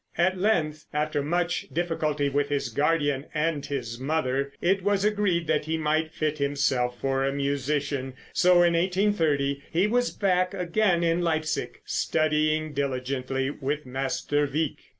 At length, after much difficulty with his guardian and his mother, it was agreed that he might fit himself for a musician, so in 1830 he was back again in Leipsic studying diligently with Master Wieck.